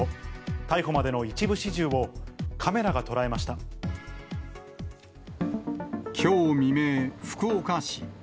逮捕までの一部始終をカメラが捉きょう未明、福岡市。